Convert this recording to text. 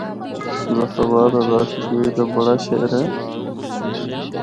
مظفرآباد آزاد کشمیر دا بڑا شہر اے۔